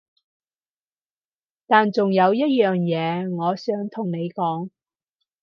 但仲有一樣嘢我想同你講